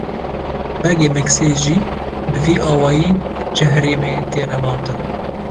Begê Miksê jî bi vî awayî ji herêmê tê revandin.